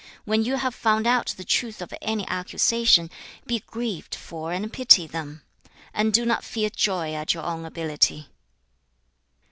When you have found out the truth of any accusation, be grieved for and pity them, and do not feel joy at your own ability.'